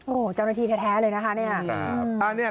โอ้โหเจ้าหน้าที่แท้เลยนะคะเนี่ย